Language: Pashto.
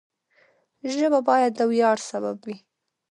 ژبه باید د ویاړ سبب وي.